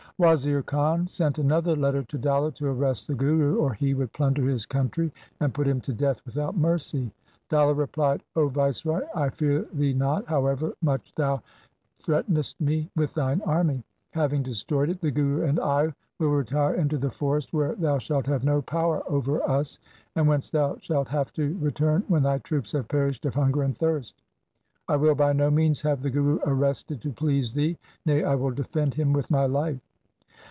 Wazir Khan sent another letter to Dalla to arrest the Guru, or he would plunder his country and put him to death without mercy. Dalla replied, ' 0 viceroy, I fear thee not, however much thou threat enest me with thine army. Having destroyed it, the Guru and I will retire into the forest where thou shalt have no power over us, and whence thou shalt have to return when thy troops have perished of hunger and thirst. I will by no means have the Guru arrested to please thee. Nay, I will defend him with my life.'